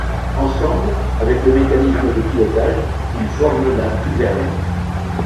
Ensemble, avec le mécanisme de pilotage, ils forment la gouverne.